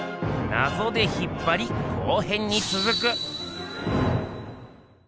なぞで引っぱり後へんにつづく。